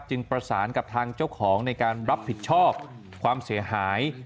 ประสานกับทางเจ้าของในการรับผิดชอบความเสียหาย